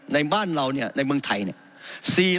ในบ้านเราเนี่ยในเมืองไทยเนี่ย